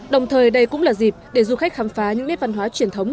đồng thời đây cũng là dịp để du khách khám phá những nét văn hóa truyền thống